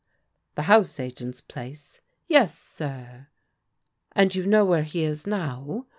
" The house agent's place ?"" Yes, sir." "And you know where he is now?"